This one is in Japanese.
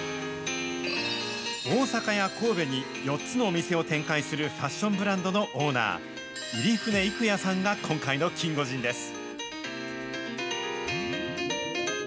大阪や神戸に４つのお店を展開するファッションブランドのオーナー、入舩郁也さんが今回のキンゴジンです。